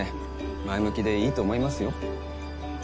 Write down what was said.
前向きでいいと思いますよ。